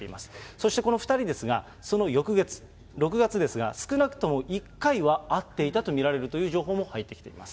そしてこの２人ですが、その翌月、６月ですが、少なくとも１回は会っていたと見られるという情報も入ってきています。